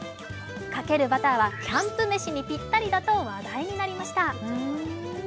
かけるバターはキャンプ飯にぴったりだと話題になりました。